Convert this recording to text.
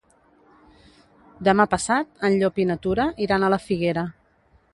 Demà passat en Llop i na Tura iran a la Figuera.